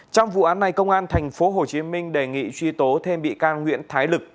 trong vụ án này công an tp hcm đề nghị truy tố thêm bị can nguyễn thái lực